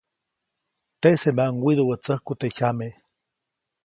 Teʼsemaʼuŋ widuʼwätsäjku teʼ jyame.